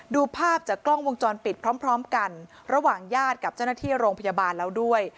ดูภาพจากกล้องวงจรปิดพร้อมกันระหว่างญาติกับเจ้าหน้าที่โรงพยาบาลแล้วด้วย